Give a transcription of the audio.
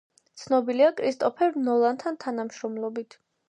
ცნობილია კრისტოფერ ნოლანთან თანამშრომლობით.